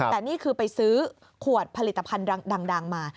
แต่นี่คือไปซื้อขวดผลิตภัณฑ์ดังมา